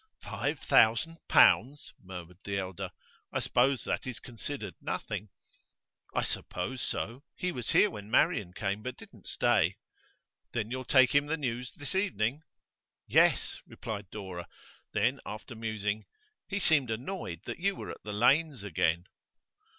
'Five thousand pounds,' murmured the elder. 'I suppose that is considered nothing.' 'I suppose so. He was here when Marian came, but didn't stay.' 'Then you'll take him the news this evening?' 'Yes,' replied Dora. Then, after musing, 'He seemed annoyed that you were at the Lanes' again.